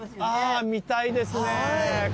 あ見たいですね！